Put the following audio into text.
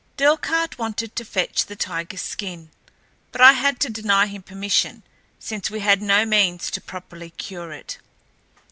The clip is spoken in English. Delcarte wanted to fetch the tigerl's skin, but I had to deny him permission, since we had no means to properly cure it.